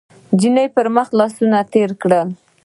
، نجلۍ پر مخ لاس تېر کړ،